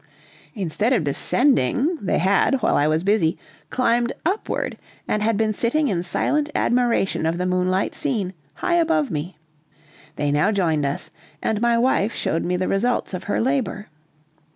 Instead of descending, they had, while I was busy, climbed upward, and had been sitting in silent admiration of the moonlight scene, high above me. They now joined us, and my wife showed me the results of her labor.